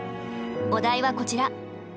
お題はこちら。